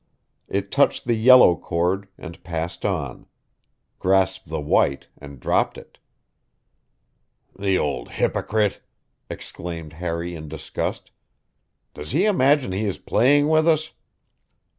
It touched the yellow cord and passed on; grasped the white and dropped it. "The old hypocrite!" exclaimed Harry in disgust. "Does he imagine he is playing with us?"